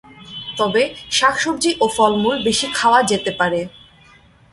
তবে শাকসবজি ও ফলমূল বেশি খাওয়া যেতে পারে।